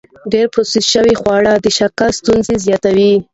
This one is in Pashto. ډېر پروسس شوي خواړه د شکرې ستونزې زیاتوي.